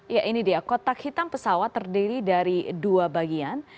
ya ini dia kotak hitam pesawat terdiri dari dua bagian